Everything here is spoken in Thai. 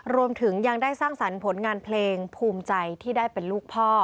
รวมถึงยังได้สร้างสรรค์ผลงานเพลงภูมิใจที่ได้เป็นลูกพ่อ